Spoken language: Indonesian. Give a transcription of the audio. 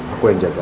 aku yang jaga